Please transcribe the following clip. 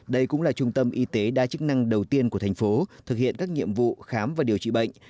đây cũng là trung tâm y tế đa chức năng đầu tiên của thành phố thực hiện các nhiệm vụ khám và điều trị bệnh